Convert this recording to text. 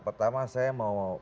pertama saya mau